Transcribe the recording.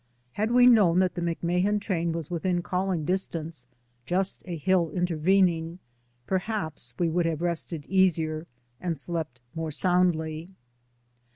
Had we known that the McMahan train was within calling distance — just a hill intervening — perhaps we would have rested easier and slept more soundly.